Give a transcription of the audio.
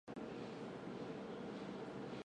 嘉靖二十五年迁扬州府同知。